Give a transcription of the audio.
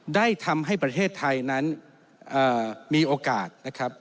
ได้ทำให้ประเทศไทยนั้นมีโอกาสนะครับ